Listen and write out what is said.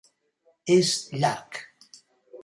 És llarg.